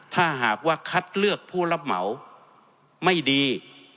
ถ้าหากว่าคัดเลือกผู้รับเหมาไม่ดี